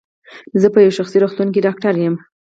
زه په یو شخصي روغتون کې ډاکټر یم.